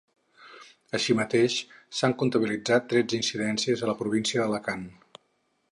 Així mateix, s’han comptabilitzat tretze incidències a la província d’Alacant.